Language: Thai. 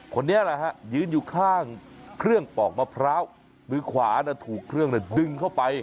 คนนี้แหละฮะยืนอยู่ข้างเครื่องปอกมะพร้าวมือขวาถูกเครื่องดึงเข้าไป